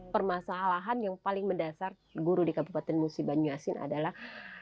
permasalahan yang paling mendasar guru di kabupaten musi banyuasin adalah